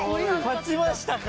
勝ちましたか！